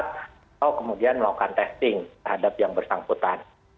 atau kemudian melakukan testing terhadap yang bersangkutan